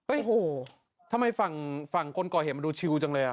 โอ้โหทำไมฝั่งคนก่อเหตุมันดูชิวจังเลยอ่ะ